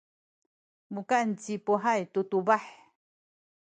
mukan ci Puhay tu tubah.